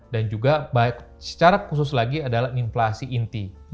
dan juga secara khusus lagi adalah inflasi inti